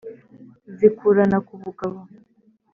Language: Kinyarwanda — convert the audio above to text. zikurana ku bugabo.